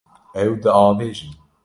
Ew diavêjin.